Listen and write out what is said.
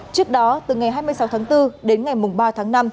trước đó từ ngày hai mươi sáu tháng bốn đến ngày ba tháng năm